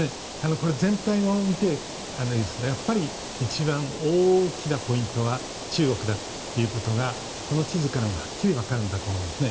これ、全体を見てですがやっぱり一番大きなポイントは中国だということがこの地図からもはっきりわかるんだと思いますね。